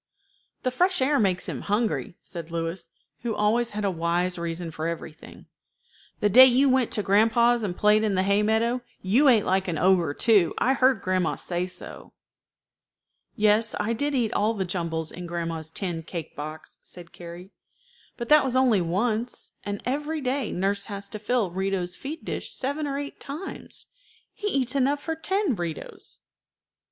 "The fresh air makes him hungry," said Louis, who always had a wise reason for everything. "The day you went to grandpa's, and played in the hay meadow, you ate like an ogre too. I heard grandma say so." "Yes, I did eat all the jumbles in grandma's tin cake box," said Carrie; "but that was only once, and every day nurse has to fill Rito's feed dish seven or eight times. He eats enough for ten Ritos."